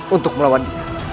untuk melawan dia